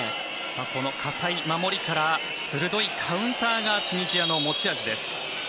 この堅い守りから鋭いカウンターがチュニジアの持ち味です。